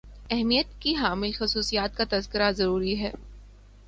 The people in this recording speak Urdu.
اہمیت کی حامل خصوصیات کا تذکرہ ضروری ہے